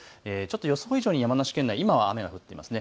予想以上に山梨県内、今雨が降っています。